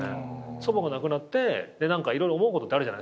祖母が亡くなって色々思うことってあるじゃないですか。